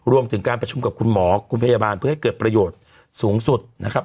รวมถึงการประชุมกับคุณหมอคุณพยาบาลเพื่อให้เกิดประโยชน์สูงสุดนะครับ